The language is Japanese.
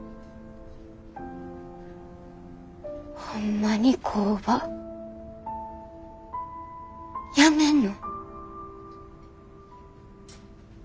ホンマに工場やめんの？